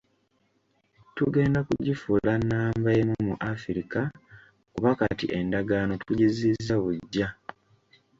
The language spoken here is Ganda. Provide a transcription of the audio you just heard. Tugenda kugifuula nnamba emu mu Africa kuba kati endagaano tugizzizza buggya.